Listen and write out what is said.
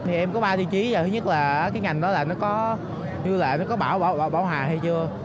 thì em có ba tiêu chí thứ nhất là cái ngành đó là nó có như là nó có bảo hà hay chưa